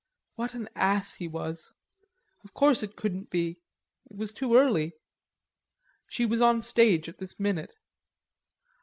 What an ass he was! Of course it couldn't be; it was too early. She was on the stage at this minute.